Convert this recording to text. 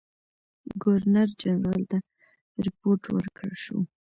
ګورنر جنرال ته رپوټ ورکړه شو.